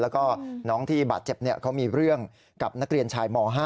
แล้วก็น้องที่บาดเจ็บเขามีเรื่องกับนักเรียนชายม๕